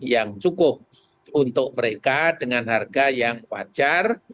yang cukup untuk mereka dengan harga yang wajar